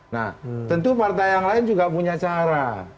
nah tentu partai yang lain juga punya cara